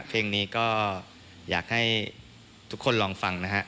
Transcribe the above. เพลงนี้ก็อยากให้ทุกคนลองฟังนะฮะ